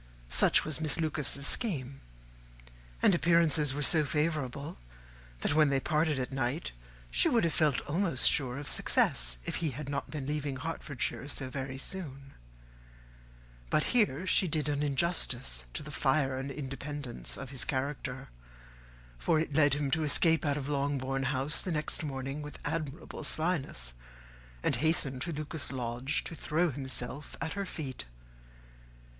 Such was Miss Lucas's scheme; and appearances were so favourable, that when they parted at night, she would have felt almost sure of success if he had not been to leave Hertfordshire so very soon. But here she did injustice to the fire and independence of his character; for it led him to escape out of Longbourn House the next morning with admirable slyness, and hasten to Lucas Lodge to throw himself at her feet.